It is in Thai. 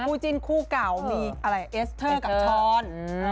คู่จิ้นคู่เก่ามีเอสเทอร์กับช้อน